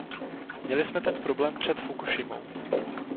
Měli jsme ten problém před Fukušimou.